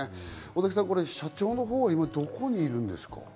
大竹さん、今、社長はどこにいるんですか？